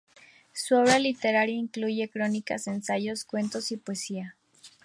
Su obra literaria incluye crónicas, ensayos, cuentos y poesía.